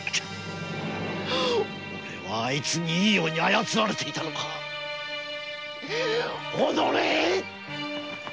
おれはあいつにいいように操られていたのかおのれ！